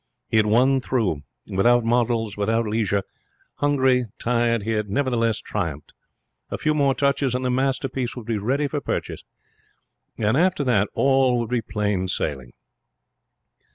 He had won through. Without models, without leisure, hungry, tired, he had nevertheless triumphed. A few more touches, and the masterpiece would be ready for purchase. And after that all would be plain sailing.